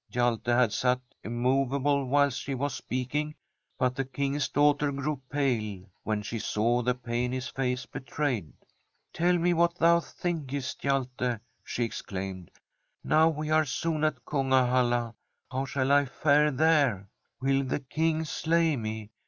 Hjalte had sat immovable whilst she was speaking, but the King's daughter grew pale when she saw the pain his face betrayed. ' Tell me what thou thinkest, Hjalte,' she ex claimed. ' Now, we are soon at Kungahalla. How shall I fare there ? Will the King slay me